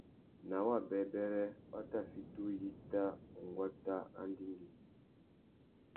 Nà wabêbêrê, wa tà fiti uyíta unguata râ andjingüî.